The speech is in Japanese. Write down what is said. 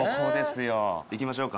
行きましょうか。